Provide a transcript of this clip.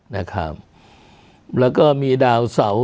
แล้วก็มีดาวเสาร์